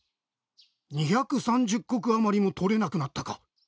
２３０石余りもとれなくなったか。